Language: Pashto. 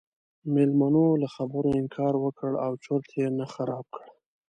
میلمنو له خبرو انکار وکړ او چرت یې نه خراب کړ.